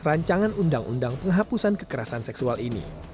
rancangan undang undang penghapusan kekerasan seksual ini